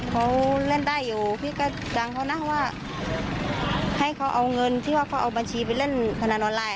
เขาเล่นได้อยู่พี่ก็ดังเขานะว่าให้เขาเอาเงินที่ว่าเขาเอาบัญชีไปเล่นพนันออนไลน